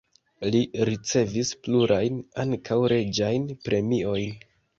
Li ricevis plurajn, ankaŭ reĝajn premiojn.